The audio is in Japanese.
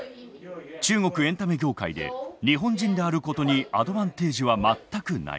中国エンタメ業界で日本人であることにアドバンテージは全くない。